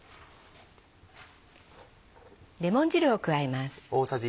レモン汁を加えます。